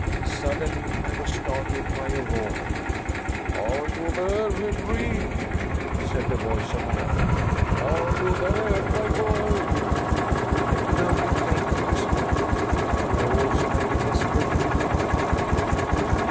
Suddenly I was startled by a roar. "Are you there, Henry?" said the voice of my uncle; "are you there, my boy?" I could only faintly respond, but I also made a desperate effort to turn.